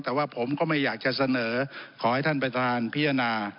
แต่ว่าผมก็ไม่อยากจะเสนอขอให้ท่านประธานพิจารณา